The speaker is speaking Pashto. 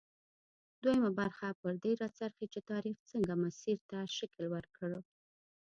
دویمه برخه پر دې راڅرخي چې تاریخ څنګه مسیر ته شکل ورکړ.